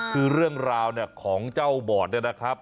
คือเรื่องราวเนี่ยของเจ้าบอดเนี่ยนะครับ